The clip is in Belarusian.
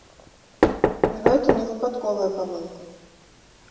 І гэта не выпадковая памылка.